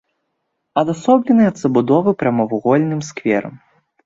Адасоблены ад забудовы прамавугольным скверам.